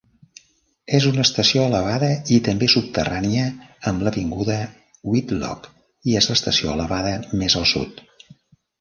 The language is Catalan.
Es una estació elevada i també subterrània amb l'avinguda Whitlock i és l'estació elevada més al sud.